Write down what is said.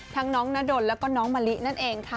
น้องนาดนแล้วก็น้องมะลินั่นเองค่ะ